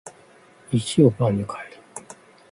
石をパンに変える